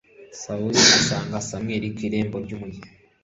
sawuli asanga samweli ku irembo ry'umugi